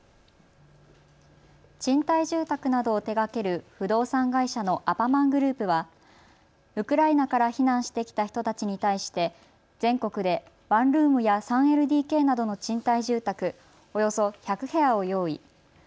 賃貸住宅などを手がける不動産会社のＡＰＡＭＡＮグループはウクライナから避難してきた人たちに対して全国でワンルームや３ＬＤＫなどの賃貸住宅およそ１００部屋を用意。